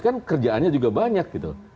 kan kerjaannya juga banyak